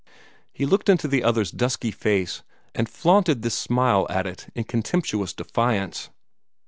He looked into the other's dusky face, and flaunted this smile at it in contemptuous defiance.